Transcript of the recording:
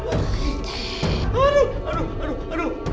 aduh aduh aduh aduh